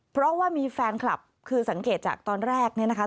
เพราะว่ามีแฟนคลับคือสังเกตจากตอนแรกเนี่ยนะคะ